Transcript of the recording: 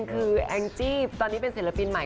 คือแองจี้ตอนนี้เป็นศิลปินใหม่